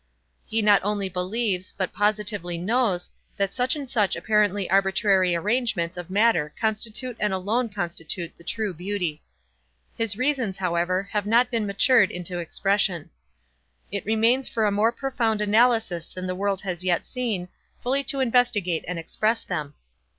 He not only believes, but positively knows, that such and such apparently arbitrary arrangements of matter constitute and alone constitute the true beauty. His reasons, however, have not yet been matured into expression. It remains for a more profound analysis than the world has yet seen, fully to investigate and express them.